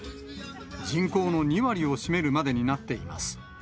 人口の２割を占めるまでになっています。